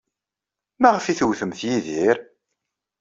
Maɣef ay tewtemt Yidir?